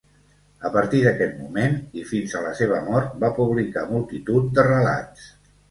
A partir d'aquest moment i fins a la seva mort va publicar multitud de relats.